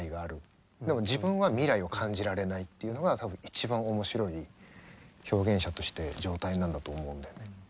でも自分は未来を感じられないっていうのが多分一番面白い表現者として状態なんだと思うんだよね。